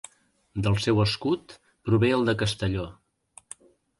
Del seu escut prové el de Castelló.